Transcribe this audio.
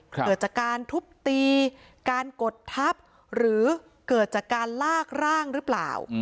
เกิดจากการทุบตีการกดทับหรือเกิดจากการลากร่างหรือเปล่า